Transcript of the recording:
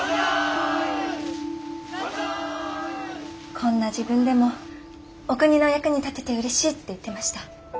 こんな自分でもお国の役に立ててうれしいって言ってました。